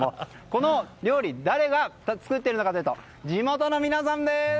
この料理誰が作っているのかというと地元の皆さんです！